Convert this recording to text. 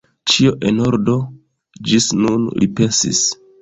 Ĉio en ordo ĝis nun, li pensis.